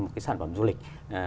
của một cái sản phẩm du lịch